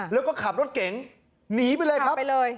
แล้วก็ขับรถเก๋งหนีไปเลยครับไปเลย